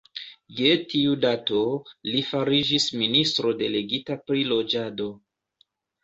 Je tiu dato, li fariĝis ministro delegita pri loĝado.